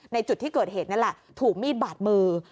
ในจุดที่เกิดเหตุนั่นแหละถูกมีดบาดมือ